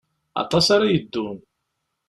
Aṭas ara yeddun.